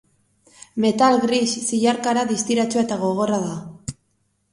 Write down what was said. Metal gris zilarkara distiratsua eta gogorra da.